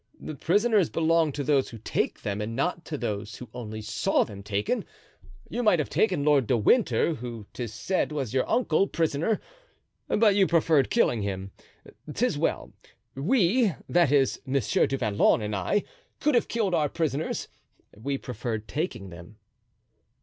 The prisoners belong to those who take them and not to those who only saw them taken. You might have taken Lord Winter—who, 'tis said, was your uncle—prisoner, but you preferred killing him; 'tis well; we, that is, Monsieur du Vallon and I, could have killed our prisoners—we preferred taking them."